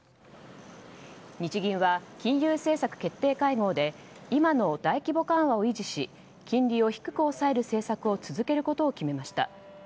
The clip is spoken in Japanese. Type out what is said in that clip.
日銀は金融政策決定会合で今の大規模緩和を維持し金利を低く抑える政策を続けることを決めました。